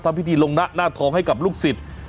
พิธีลงนะหน้าทองให้กับลูกศิษย์